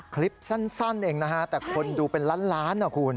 คลิปสั้นเองนะแต่คนดูเป็นล้านคุณ